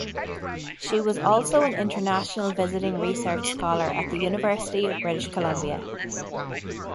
She was also an International Visiting Research Scholar at the University of British Columbia.